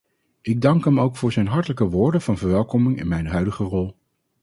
Ik dank hem ook voor zijn hartelijke woorden van verwelkoming in mijn huidige rol.